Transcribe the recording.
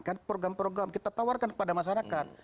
kan program program kita tawarkan kepada masyarakat